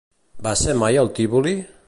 Va ser mai al Tívoli?